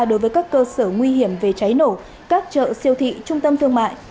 đối với các cơ sở nguy hiểm về cháy nổ các chợ siêu thị trung tâm thương mại